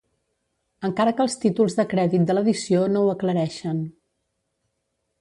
Encara que els títols de crèdit de l'edició no ho aclareixen.